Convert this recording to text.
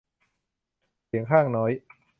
เสียงข้างน้อย